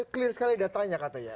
clear sekali datanya katanya